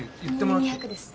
２００です。